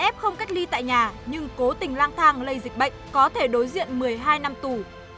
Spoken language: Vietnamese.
f không cách ly tại nhà nhưng cố tình lang thang lây dịch bệnh có thể đối diện một mươi hai năm tù